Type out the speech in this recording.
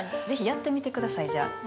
ぜひやってみてくださいじゃあ。